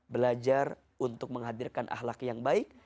belajar untuk menghadirkan ahlak yang baik